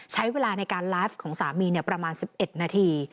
ใช้เวลาในการไลฟ์ของสามีประมาณ๑๑นาที